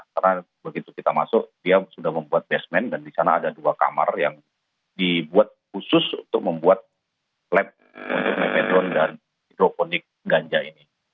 karena begitu kita masuk dia sudah membuat basement dan di sana ada dua kamar yang dibuat khusus untuk membuat lab untuk metron dan hidroponik ganja ini